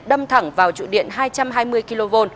đâm thẳng vào trụ điện hai trăm hai mươi kv